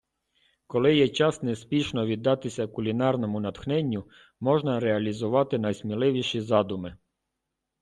Коли є час неспішно віддатися кулінарному натхненню, можна реалізувати найсміливіші задуми.